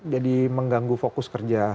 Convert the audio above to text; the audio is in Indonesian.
jadi mengganggu fokus kerja